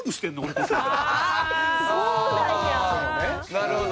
なるほど。